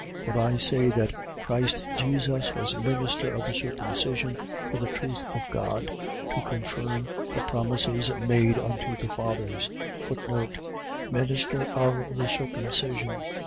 15:8. For I say that Christ Jesus was minister of the circumcision for the truth of God, to confirm the promises made unto the fathers: Minister of the circumcision.